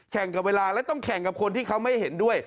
กับเวลาและต้องแข่งกับคนที่เขาไม่เห็นด้วย